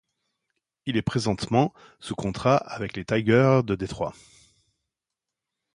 Il est présentement sous contrat avec les Tigers de Détroit.